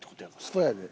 そうやで。